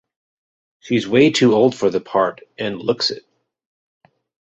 She’s way too old for the part and looks it.